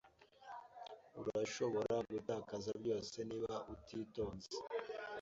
Urashobora gutakaza byose niba utitonze.